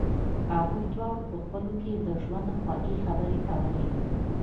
هغوی دواړو په خپلو کې د ژوند خوږې خبرې کولې